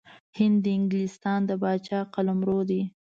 هند د انګلستان د پاچا قلمرو دی.